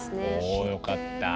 およかった。